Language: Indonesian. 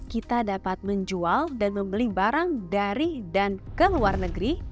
kita dapat menjual dan membeli barang dari dan ke luar negeri